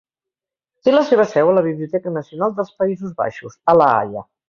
Té la seva seu a la Biblioteca Nacional dels Països Baixos, a La Haia.